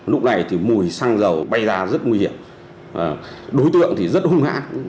lúc này thì mùi xăng dầu bay ra rất nguy hiểm đối tượng thì rất hung hã